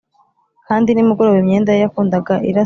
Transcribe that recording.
kandi nimugoroba imyenda ye yakundaga irasa